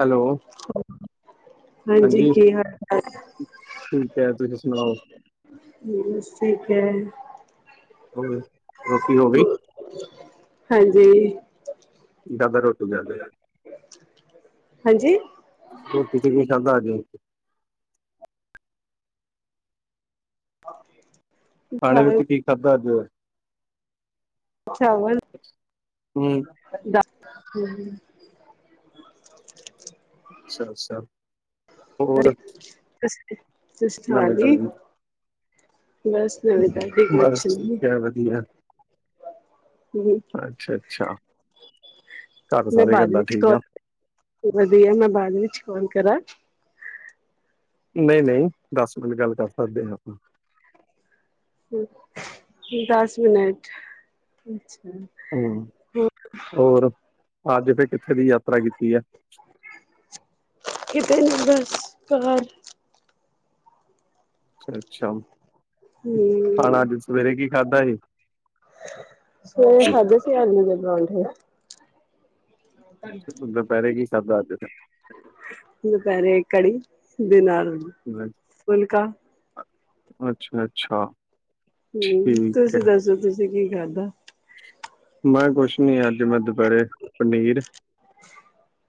Hello, ਹਾਂਜੀ ਕੀ ਹਾਲ ਚਾਲ ਠੀਕ ਐ ਤੁਸੀਂ ਸਨਾਓ [unintelligible] ਠੀਕ ਐ। ਹੋਰ ਰੋਟੀ ਹੋ ਗਈ। ਹਾਂਜੀ। ਦਾਦਾ ਰੋਟੀ ਲੈਨ ਗੇਆ। ਹਾਂਜੀ। ਰੋਟੀ ਚ ਕੀ ਖਾਦਾ ਅੱਜ ਏ ਖਾਨੇ ਦਾਲ ਵਿੱਚ ਕੀ ਖਾਦੈ ਅੱਜ ਚਾਵਲ, ਹਮ ਦਾਲ ਹੂੰ ਅੱਛਾ ਸਰ, ਹੋਰ ਤੁਸੀਂ ਖਾ ਨਵੀਂ ਲਈ, ਤਾਜੀ ਬਸ ਨਵੀਂ ਤਾਜੀ ਕੁਛ ਨੀ ਵਦੀਐ ਹੁਨੇ ਅੱਛਾ ਅੱਛਾ ਘਰ ਮੈਂ ਸਾਰੇ ਬਾਦ ਕਿੱਦਾਂ ਵਿੱਚ ਠੀਕ ਕੋਲ ਆ ਵਦੀਐ ਮੈਂ ਬਾਦ ਵਿੱਚ ਕੌਲ ਕਰਾਂ ਨਹੀਂ-ਨਹੀਂ ਦਸ ਮਿੰਟ ਗੱਲ ਕਰ ਸਕਦੇ ਹਾਂ ਆਪਾਂ। ਦਸ ਮਿਨਟ ਅੱਛਾ। ਹਮ, ਹਾਂ ਹੋਰ ਅੱਜ ਫੇ ਕਿੱਥੇ ਦੀ ਯਾਤਰਾ ਕੀਤੀ ਐ? ਕਿਤੇ ਨੀ ਬਸ ਘਰ। ਅੱਛਾ-ਅੱਛਾ! ਹੂੰ ਖਾਣਾ ਅੱਜ ਸਵੇਰੇ ਕੀ ਖਾਧਾ ਜੇ? ਸਵੇਰੇ ਖਾਦੇੇ ਸੀ ਆਲੂ ਦੇ ਪਰਾਂਠੇ। [unintelligible] ਦੁਪੇਰੇ ਕੀ ਖਾਧਾ ਅੱਜ? ਦੁਪੇਰੇ ਕੜੀ ਦੇ ਨਾਲ ਫੁਲਕਾ ਅੱਛਾ -ਅੱਛਾ। ਹਮ, ਠੀਕ ਹੈ ਤੁਸੀਂ ਦੱਸੋ ਤੁਸੀਂ ਕੀ ਖਾਧਾ? ਮੈਂ ਕੁਛ ਨੀ ਅੱਜ ਮੈਂ ਦੁਪੇਰੇ ਪਨੀਰ।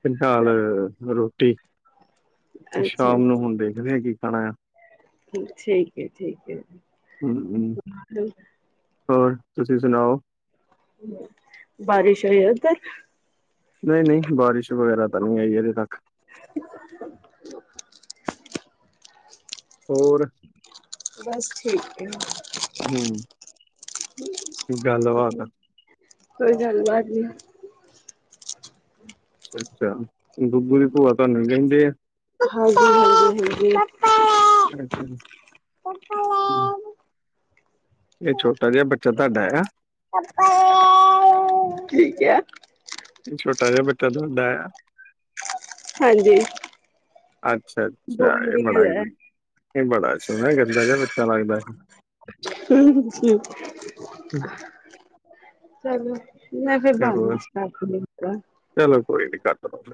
[unintelligible] ਰੋ ਟੀ ਅੱਛਾ ਸ਼ਾਮ ਨੂੰ ਹੁਣ ਦੇਖਦੇ ਆ ਕੀ ਖਾਣਾ ਆ। ਠੀਕ ਏ-ਠੀਕ ਏ। ਹਮ ਹਮ ਉਠਾਲੋ ਹੋਰ ਤੁਸੀਂ ਸੁਣਾਓ? ਬਾਰਿਸ਼ ਹੋਈ ਔਦਰ? ਨਈ-ਨਈ ਬਾਰਿਸ਼ ਵਗੈਰਾ ਤਾਂ ਨੀ ਆਈ ਅਜੇ ਤੱਕ। ਹੋਰ। ਬਸ ਠੀਕ ਏ। ਹਮ ਗੱਲ ਬਾਤ ਕੋਈ ਗੱਲਬਾਤ ਨੀ। ਅੱਛਾ-ਅੱਛਾ ਡੁਗੂ ਦੀ ਭੂਆ ਤਾਨੂ ਈ ਕੈਂਦੇ ਐ। ਹਾਂਜੀ-ਹਾਂਜੀ-ਹਾਂਜੀ। ਏ ਛੋਟਾ ਜਾ ਬੱਚਾ ਤੁਆਡਾ ਯਾਂ? ਕੀ ਕਆ। ਏ ਛੋਟਾ ਜਾ ਬੱਚਾ ਤੁਆਡਾ ਆ। ਹਾਂਜੀ। ਅੱਛਾ-ਅੱਛਾ ਏ ਗੁਆਂਢੀਆਂ ਬਣਾ ਦਾ ਈ ਏ ਬੜਾ ਸ਼ੌਣਾ ਗੰਦਾ ਜਾ ਬੱਚਾ ਲੱਗਦਾ। [unintelligible] ਹੈ। ਚਲੋ। ਮੈਂ ਫਿਰ ਹੋਰ [unintelligible] ਚਲੋ ਕੋਈ ਨੀ। [unintelligible]